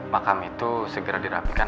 makam itu segera dirapikan